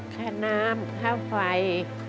แค่น้ำข้าวไฟ